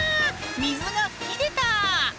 水が吹き出た！